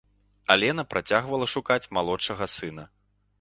Алена працягвала шукаць малодшага сына.